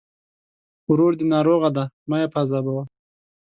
ورور دې ناروغه دی! مه يې پاذابوه.